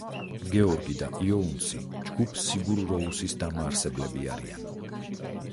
გეორგი და იოუნსი ჯგუფ სიგურ როუსის დამაარსებლები არიან.